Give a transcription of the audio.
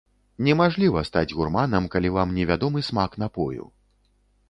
Немажліва стаць гурманам, калі вам невядомы смак напою.